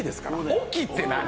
置きって何？